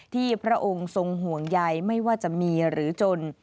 พระองค์ทรงห่วงใยไม่ว่าจะมีหรือจน